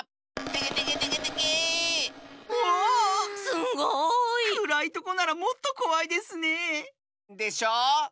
すごい！くらいとこならもっとこわいですねえ。でしょう？